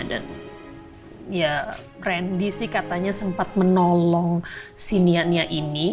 dan ya randy sih katanya sempat menolong si nia ini